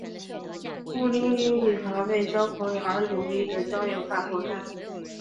孤零零女孩为交朋友而努力的交友大作战。